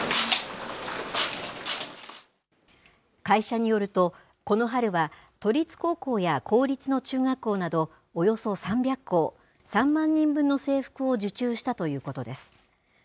会社によると、この春は、都立高校や公立の中学校など、およそ３００校、３万人分の制服を受注したということです。